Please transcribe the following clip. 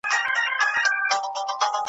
یو دی ښه وي نور له هر چا ګیله من وي .